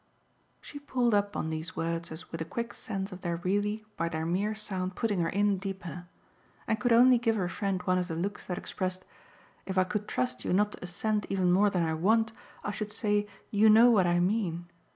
She pulled up on these words as with a quick sense of their really, by their mere sound, putting her in deeper; and could only give her friend one of the looks that expressed: "If I could trust you not to assent even more than I want, I should say 'You know what I mean!